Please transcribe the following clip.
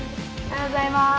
おはようございます！